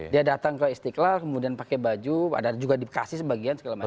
dia datang ke istiqlal kemudian pakai baju ada juga dikasih sebagian segala macam